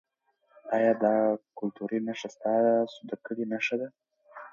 ایا دا کلتوري نښه ستاسو د کلي نښه ده؟